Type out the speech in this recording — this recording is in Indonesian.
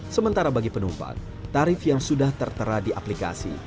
sementara bagi penumpang tarif yang sudah tertera di aplikasi